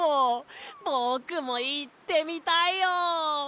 ぼくもいってみたいよ！